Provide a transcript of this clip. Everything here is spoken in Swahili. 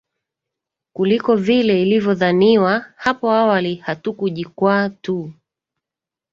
kuliko vile ilivyodhaniwa hapo awali Hatukujikwaa tu